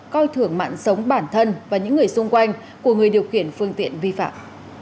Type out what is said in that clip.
coi thưởng mạng sống bản thân và những người xung quanh của người điều khiển phương tiện vi phạm